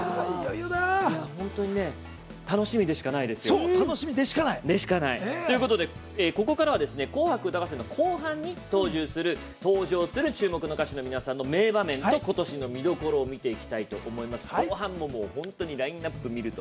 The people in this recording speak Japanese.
楽しみでしかないですよ。ということで、ここからは「紅白歌合戦」後半に登場する注目の歌手の皆さんの名場面と今年の見どころを見ていきたいと思います。